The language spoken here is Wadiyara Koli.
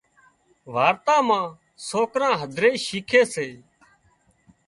وارتا مان سوڪران هڌري شيکي سي